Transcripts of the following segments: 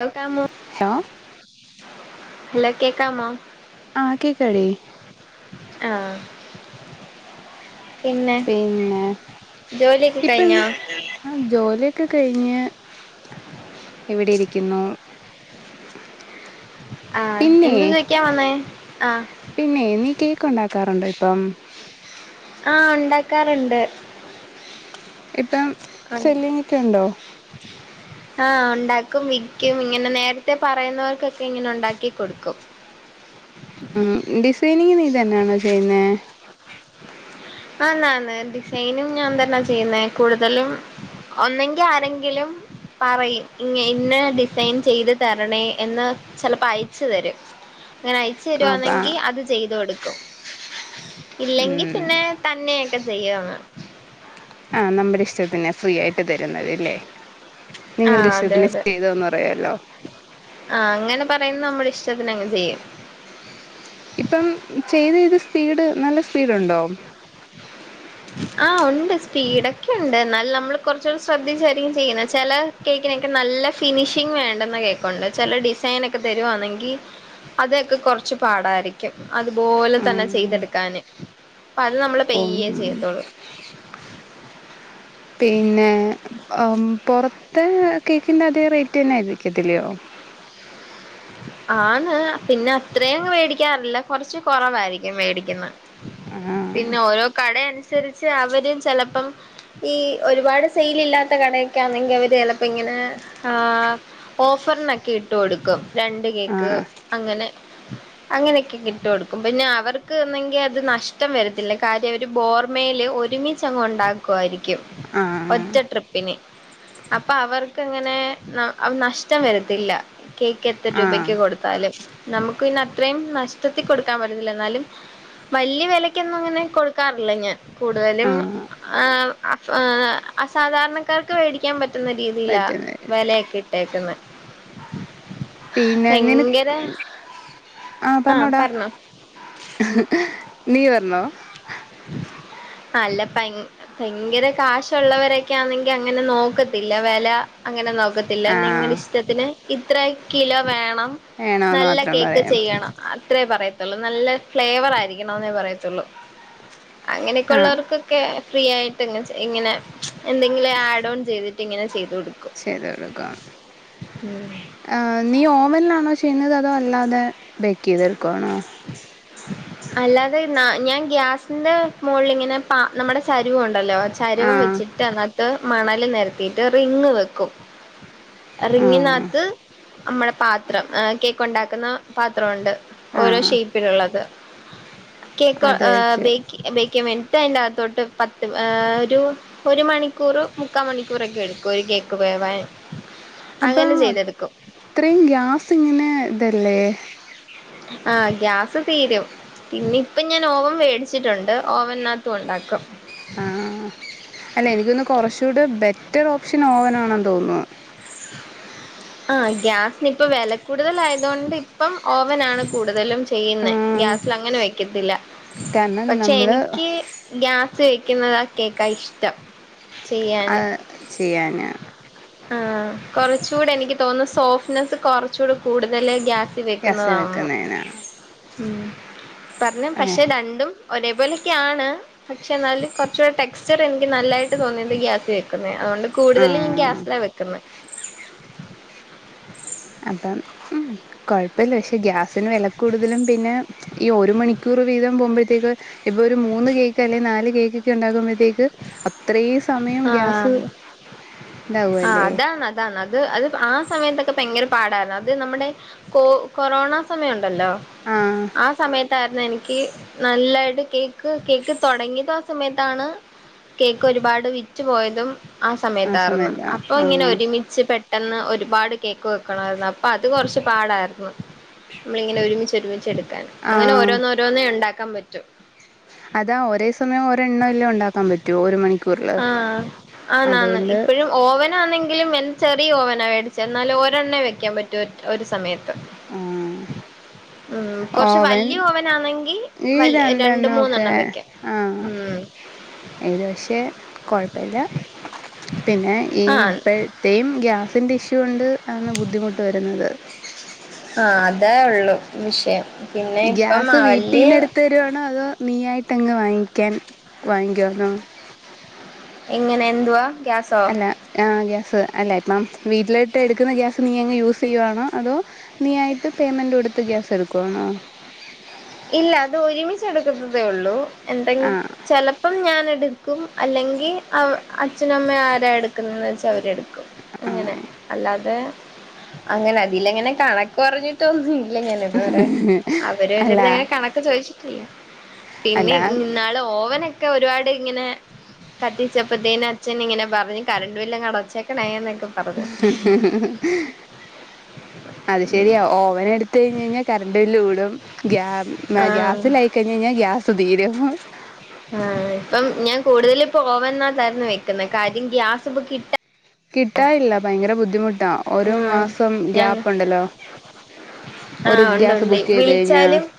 കേൾക്കാമോ hello hello കേക്കാമോ ആഹ് കേക്കാടി ആഹ് പിന്നെ പിന്നെ ജോലിയൊക്കെ കഴിഞ്ഞോ ആഹ് ജോലിയൊക്കെ കഴിഞ്ഞ് ഇവിടെയിരിക്കുന്നു ആഹ് എന്ത് ചോയ്ക്കാൻ വന്നേ ആഹ് പിന്നെ നീ കേക്ക് ഉണ്ടാക്കാറുണ്ടോ ഇപ്പം ആഹ് ഉണ്ടാക്കാറുണ്ട് ഇപ്പം സെയിലിംഗ് ഒക്കെ ഉണ്ടോ ആഹ് ഉണ്ടാക്കും വിക്കും ഇങ്ങനെ നേരത്തെ പറയുന്നവർക്കൊക്കെ ഇങ്ങനെ ഉണ്ടാക്കി കൊടുക്കും ഉം ഡിസൈനിങ് നീ തന്നെയാണോ ചെയ്യുന്ന ആന്ന് ന്ന് ഡിസൈനും ഞാൻ തന്നെയ ചെയ്യുന്നേ കൂടുതലും ഒന്നെങ്കി ആരെങ്കിലും പറയും ഇ ഇന്ന ഡിസൈൻ ചെയ്ത് തരണേ എന്ന് ചിലപ്പോ അയച്ചു തരും അങ്ങനെ അയച്ചു ആ അപ്പ തരുവാന്നെങ്കിൽ അത് ചെയ്ത് കൊടുക്കും ഇല്ലെങ്കിൽ പിന്നെ തന്നെയൊക്കെ ചെയ്യാണ് ആഹ് നമ്മടെ ഇഷ്ടത്തിന് ഫ്രീ ആയിട്ട് തരുന്നത് അല്ലേ നിങ്ങളുടെ ആഹ് അതെ ഇഷ്ടത്തിന് അതെ ചെയ്ത് തെരോ അറിയാലോ ആഹ് അങ്ങനെ പറയുന്ന നമ്മുടെ ഇഷ്ടത്തിന് അങ് ചെയ്യും ഇപ്പം ചെയ്ത് ചെയ്ത് സ്പീഡ് നല്ല സ്പീഡ ഉണ്ടോ ആഹ് ഉണ്ട് സ്പീഡൊക്കെ ഉണ്ട് എന്നൽ നമ്മൾ കുറച്ചു കൂടി ശ്രദ്ധിച്ചായിരിക്കും ചെയ്ങ്ങനെ ചെല കേക്കിനൊക്കെ നല്ലാ ഫിനിഷിങ് വേണ്ടാന്ന കേക്ക് ഇണ്ട് ചെല ഡിസൈനൊക്കെ തെരുവാന്നാങ്കി അതൊക്കെ കൊറച്ചു പാടാരിക്കും അത് പോലെ തന്നെ ചെയ്തെട്ക്കാന് അപ്പേ അത് നമ്മള് പയ്യേ ഉം, ചെയ്യത്തോളൂ പിന്നെ പൊറത്ത് കേക്കിൻ്റെ അതേ റേറ്റ് തന്നെ ആരിക്കത്തില്ല്യയോ ആണ് പിന്നെ അത്രയും അങ്ങ് മേടിക്കാറില്ല കൊറച്ച് കൊറവായിരിക്കും മേടിക്ക്ന്നേ ആഹ് പിന്നെ ഓരോ കട അന്സരിച്ച് അവരും ചെലപ്പം ഈ ഒരുപാട് സെയില് ഇല്ലാത്ത കടയൊക്കെ ആന്നേങ്കി അവര് ചെലപ്പോ ഇങ്ങനെ ആഹ് ഓഫറിനൊക്കെ ഇട്ട് കൊടുക്കും രണ്ട് കേക്ക് ആഹ് അങ്ങനെ അങ്ങനെയൊക്കെ ഇട്ട് കൊടുക്കും പിന്നെ അവർക്ക് ആന്നെങ്കി അത് നഷ്ടം വരത്തില്ലാ കാര്യം അവര് ബോർമെയില് ഒര്മി ചങ്ങ് ഒണ്ടാക്കു ആയിരിക്കും ആഹ് ഒറ്റ് ട്രിപ്പിന് അപ്പൊ അവർക്ക് അങ്ങനെ നഷ്ടം വെരത്തില്ലാ എത്ര രൂപയ്ക്ക് ആഹ് കൊടുത്താലും നമ്മക്ക് പിന്നെ അത്രയും നഷ്ടത്തി കൊട്ക്കാൻ പറ്റാത്തില്ല എന്നാലും വല്ല്യ വെലക്കൊന്നും അങ്ങനെ കൊട്ക്കാറില്ലാ ഞാൻ കൂട്തലും ആഹ് ആഹ് ആഹ് സാധാരണക്കാർക്ക് മേടിക്കാൻ പറ്റ് പറ്റ്ന്നാ രീതിലാ പറ്റുന്ന വെലയൊക്കെ ഇട്ടേക്ക്യാന്നേ പിന്നെ നിന ഭയങ്കര ആഹ് പറഞ്ഞോടാ നീ പറഞ്ഞോ അല്ലാ പൈ ഭയങ്കര കാശോള്ളവരൊക്കെ ആണെങ്കി അങ്ങനെ നോക്കത്തില്ലാ വെല അങ്ങനെ നോക്കത്തില്ലാ ആഹ് നിങ്ങാടെ ഇഷ് ഷ്ട്ടത്തിന് ഇത്ര കിലോ വേണം വേണോന്ന് നല്ലാ മാത്രം കേക്ക് പറയാം ചെയ്യണം അത്രേ പറയത്തോള്ളൂ നല്ലാ ഫ്ലേവറ് ആയിരിക്കണം എന്നേ പറയത്തോള്ളൂ അങ്ങനെയൊക്കെ ആഹ് ഒള്ളവർക്ക് ക്കെ ഫ്രീയായിട്ട് ഇങ്ങ് ഇങ്ങെനെ എന്തെങ്കിലും ആഡാേൺ ചെയ്തിട്ട് ഇങ്ങെനെ ചെയ്ത് കൊട്ക്കും ചെയ്ത് കൊടുക്കും ആഹ് നീ ഓവൻലാണോ ചെയ്യ്ന്നത് അതോ അല്ലാതെ ബേക്കെയ്ത് എട്ക്കുവാണോ അല്ലാതെ ഞാ ഞാൻ ഗ്യാസിന്റെ മോൾലിങ്ങെനെ പാ നമ്മടെ ചരുവം ഒണ്ടെല്ലോ ചരുവും വെ ആഹ് ച്ചിട്ട് അതിനാത്ത് മണല് നെരത്തിയിട്ട് റിങ്ങ് വെക്കും ആഹ് റിങ്ങിനാത്ത് നമ്മെടെ പാത്രം ഏഹ് കേക്ക് ഒണ്ടാക്ക്ന്നാ പാത്ര ഒണ്ട് ഓരോ ആഹ് ഷെയ്പ്പിലാെള്ളത് കേക്ക് അത് ഏഹ് വെച്ച് ബേക്ക് ബേക്ക്യെയ്യാൻ വേൺ ട്ടയ്ന്റെ അകത്തോട്ട് പത്ത് ഏഹ് ഒരു ഒരു മണിക്കൂറ് മുക്കാ മണിക്കൂറൊക്കെ എട്ക്കും ഒര് കേക്ക് വേവാൻ അപ്പൊ അങ്ങനെ ചെയ്തെടുക്കും ത്രിം ഗ്യാസ് ങ്ങെനെ തെല്ലേ ആഹ് ഗ്യാസ് തീരും പിന്നെ ഇപ്പം ഞാൻ ഓവം വേടിച്ചിട്ടുണ്ട് ഓവനാത്തും ഒണ്ടാക്കും ആഹ് അല്ല എനിക്കാേന്ന്ന്നു കൊറച്ചൂടെ ബെറ്റർ ഓപ്ഷൻ ഓവനാണെന്ന് തോന്ന്ന്നു ആഹ് ഗ്യാസ്ന് ഇപ്പം വെല കൂട്തലായതോണ്ട് ഇപ്പം ഓവനാണ് കൂട്തലും ചെയ്യ്ന്നെ ആഹ് ഗ്യാസ്‌ലങ്ങെനെ വെക്കത്തില്ല കാരണം പക്ഷേ നമ്മള് എനിക്ക് ഗ്യാസ് വെക്ക്ന്നതാ കേക്കാ ഇഷ്ടം ചെയ്യാന് അത് ചെയ്യാന് ആഹ് കൊറച്ചൂടെ എനിക്ക് തോന്ന്ന്നു സോഫ്റ്റ്നെസ്സ് കൊറച്ചൂടെ കൂട്തല് ഗ്യാ സി ഗ്യാസി വെക്ക്ന്നതാന്ന് വെക്കുന്നതിനാ ഉം പർഞ്ഞ് ഏഹ് പശേ രണ്ടും ഒരേ പോലാെക്ക്യാണ് പക്ഷേ എന്നാലും കൊർച്ചൂടെ ടെക്സ്ചർ എനിക്ക് നല്ലായിട്ട് തോന്നിയത് ഗ്യാസി വെക്ക്ന്നെയാ അതോണ്ട് കൂട്തലും ആഹ് ഗ്യാസിലാ വെക്ക്ന്നേ അതാണ് ഉം കൊഴപ്പല്ല പരേ ഗ്യാസിന് വെല കൂട്തലും പിന്നെ ഈ ഒര് മണിക്കൂറ് വീതം പോവ്മ്പഴ്ത്തേക്ക് ഇപ്പൊ ഒരു മൂന്ന് കേക്ക് അല്ലെ നാല് കേക്കെക്കെ ഉണ്ടാക്ക്മ്പഴ്ത്തേക്ക് അത്രേയും സമയം ഗ്യാസ് ആഹ് താവു ആഹ് അല്ലേ അതാണ് അതാണ് അത് അത് ആ സമയത്തൊക്കെ ഭയെങ്കെര പാടാര്ന്നു അത് നമ്മടെ കോ കൊറോണാ സമയം ഉണ്ടല്ലോ ആഹ് ആ സമയത്തായിര്ന്നു എനി ക്ക് നല്ലായിട്ട് കേക്ക് കേക്ക് തൊടങ്ങിയത് ആ സമയത്താണ് കേക്ക് ഒരുപാട് വിറ്റ് പോയതും ആ സമയത്താർന്ന് സമയത്താ അപ്പൊ ഇങ്ങെനെ ആഹ് ഒരുമിച്ച് പെ ട്ടെന്ന് ഒര്പാട് കേക്ക് വെക്കെണമായിര്ന്നു അപ്പൊ അത് കൊറച്ച് പാടായ്ര്ന്ന് നമ്മളിങ്ങെനെ ഒരുമിച്ച് ഒരുമിച്ചെട്ക്കാന് അങ്ങെനെ ആഹ് ഓരോന്നോരോന്നേ ണ്ടാക്കാൻ പറ്റു അതാ ഒരേ സമയം ഓരെണ്ണവല്ലേ ഒണ്ടാക്കാൻ പ റ്റൂ ഒര് മണിക്കൂർല് ആഹ് ആന്നാന്ന് ഇപ്പഴും ഓവനാന്നെങ്കിലും എ ചെറിയ ഓവനാണ് വേടിച്ചേ ന്നാലും ഒരെണ്ണെ വെയ്ക്കാൻ പറ്റു ഒ ഒരു സമെയെ ത്ത് ആഹ് ഉം കൊർച്ച് ഓവൻ വല്ല്യ ഓവനാന്നെങ്കി ഈ വല് രണ്ട് മൂന്നെണ്ണം വെക്ക ഉം ഇതു പക്ഷേ കൊഴപ്പ ഇല്ല പിന്നെ ഈ ആഹ് ഇപ്പഴ് ത്തേയും ഗ്യാസിന്റെ ഇഷ്യൂ കൊണ്ട് ആന്ന് ബുദ്ധിമുട്ട് വര്ന്നത് ആഹ് അതേ ഒള്ളു വിഷെയം ഗ്യാസ് വീട്ടീന്ന് എട്ത്ത് തരുവാണോ അതോ നീ ആയിട്ടങ്ങ് വാങ്ങിക്കാൻ വാങ്ങിക്കുവാന്നോ എങ്ങെനെ എന്തുവാ? ഗ്യാസോ അല്ലാ ആഹ് ഗ്യാസ് അല്ല ഇപ്പം വീട്ട്ലേട്ട് എട്ക്ക്ന്ന ഗ്യാസ് നീ അങ്ങ് യൂസെയ്യുവാണോ അതോ നീയായിട്ട് പെയ്മെന്റ് കൊട്ത്ത് ഗ്യാസ് എട്ക്കുവാണോ? ഇല്ല അത് ഒര്മിച്ച് എട്ക്കത്തതെ ഒള്ളൂ എന്തെ ആഹ് ചെല പ്പം ഞാനെട്ക്കും അല്ലെങ്കി അവ് അച്ഛനും അമ്മേ ആരാ എട് ക്ക്ന്നത്‌ വെച്ച അവരെട്ക്കും അങ്ങെനെ അല്ലാതെ, അങ്ങനെ അതിലങ്ങനെ കണക്ക് പറഞ്ഞിട്ടൊന്നു - ല്ല ഞാൻ ഇതുവരെ, അവര്- അല്ല അങ്ങനെ കണക്ക് ചോദിച്ചിട്ടില്ല. അല്ല പിന്നെ ന്നാള് ഓവനൊക്കെ ഒരുപാട് ഇങ്ങനെ- കത്തിച്ചപ്പേത്തിന് അച്ഛൻ ഇങ്ങനെ പറഞ്ഞ് കരണ്ട് ബില്ല് അങ്ങ് അടച്ചേക്കണേ ന്നൊക്കെ ഉ. അത് ശരിയാ. ഓവൻ എടുത്ത് കഴിഞ്ഞ് കഴിഞ്ഞാൽ കറണ്ട് ബില്ല് കൂടും ഗ്യ ആഹ് ഗ്യാസിലായി കഴിഞ്ഞ് കഴിഞ്ഞാൽ ഗ്യാസ് തീരും. ആഹ് ഇപ്പം ഞാൻ കൂടുതലിപ്പൊ ഓവൻ ന്നകത്താരുന്നു വെക്കുന്ന കാര്യം ഗ്യാസ് ഇപ്പ കിട്ട കിട്ടാനില്ല ഭയങ്കര ബുദ്ധിമുട്ടാ. ഒരു ആഹ് മാസം ഞ ഗ്യാപ് ഉണ്ടല്ലോ? ആഹ് ഉണ്ട് ഉണ്ട് വിളിച്ചാലും-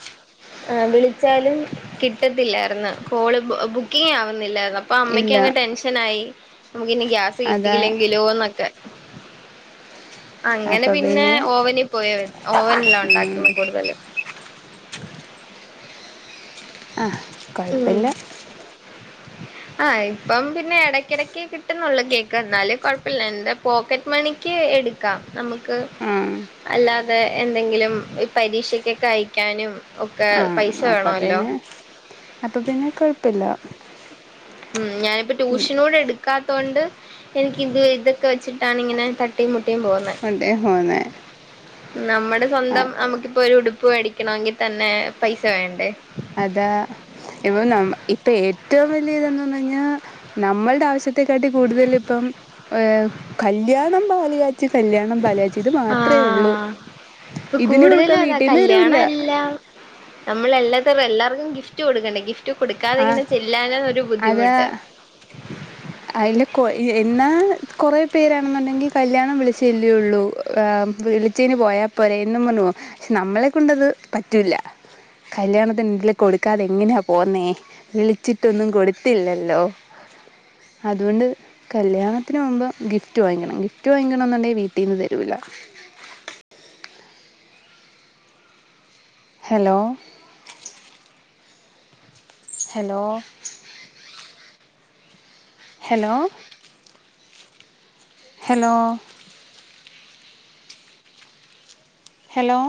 ആ വിളിച്ചാലും കിട്ടത്തില്ലായിരുന്നു. കോള് ബുക്കിംഗ് ആവുന്നില്ലായി- അപ്പൊ ഇല്ല അമ്മയ്ക്കങ്‌ ടെൻഷൻ ആയി നമുക്കിനി ഗ്യാസ് അതാ കിട്ടിയില്ലെങ്കിലോന്നൊക്കെ? അങ്ങനെ പിന്നെ ഓവനിൽ പോയ ഓവനിലാ ഉണ്ടാക്കുന്നത് കൂടുതൽ ആ ഉം കുഴപ്പല്ല ആഹ് ഇപ്പം പിന്നെ ഇടക്കിടക്ക് കിട്ടുന്നുള്ളൂ കേക്ക് എന്നാലും കൊഴപ്പല്ല എന്താ- പോക്കറ്റ് മണിക്ക് എടുക്കാ നമുക്ക്- ആഹ് അല്ലാതെ എന്തെങ്കിലും, പരീക്ഷക്കൊക്കെ അയക്കാനും- ഒക്കെ ആ പൈസ അപ്പൊ വേണല്ലോ പിന്നെ അപ്പൊ പിന്നെ കൊഴപ്പല്ല ഉം ഞാനിപ്പ ട്യൂഷനോട് എടുക്കാത്തോണ്ട് എനിക്ക് ഇത് ഇത- ഒക്കെ വെച്ചിട്ടാണ് ഇങ്ങനെ തട്ടിയും മുട്ടിയും പോകുന്നത് കൊണ്ടേ പോന്നെ നമ്മുടെ സ്വന്തം നമുക്കിപ്പൊ ഒരു ഉടുപ്പ് മേടിക്കണമെങ്കിൽ തന്നെ പൈസ വേണ്ടേ? അതാ ഇപ്പൊ ഇപ്പൊ ഏറ്റവും വലിയ ഇതന്തഴിഞ്ഞാ നമ്മളുടെ ആവശ്യത്തി- ത്തെക്കാട്ടി കൂടുതൽ ഇപ്പം കല്യാണം പാല് കാ - ചച് കല്യാണം, പാല കാച്ച് ഇത് മാത്രേ ഉള്ളൂ. ഇപ്പ ഇതിന് കൊടുക്കാൻ കൂടുതലും അതാ വീട്ടീന്ന് തരൂല്ല കല്യാണം അല്ല നമ്മൾ എല്ലാത്തും എല്ലർക്കും ഗിഫ്റ്റ് കൊടുക്കണ്ടേ? ഗിഫ്റ്റ് ആഹ് കൊടുക്കാതെങ്ങെന ചെല്ലാൻ ഒരു അതാ ബുദ്ധിമുട്ട് അയില് കൊ എന്നാ കൊറെ പേരാണെന്നുണ്ടെങ്കിൽ കല്യാണം വിളിച്ചെല്ലയുള്ളൂ ആഹ്‌ വിളി ച്ചെയ്ന് പോയാ പോരെ എന്നും പറഞ്ഞു പക്ഷെ നമ്മളെ കൊണ്ടത് പറ്റൂല കല്യാണത്തിന് എന്തേലും കൊടുക്കാതെ എങ്ങനെയാ പോന്നേ വിളിച്ചിട്ടൊന്നും കൊടുത്തില്ലല്ലോ അതുകൊണ്ട് കല്യാണത്തിന് പൊവ്മ്പോ ഗിഫ്റ്റ് വാങ്ങിക്കണം ഗിഫ്റ്റ് വാങ്ങിക്കണം എന്നുണ്ടെ വീട്ടീന്ന് തരൂല്ല hello hello hello hello hello